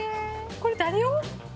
これ誰用？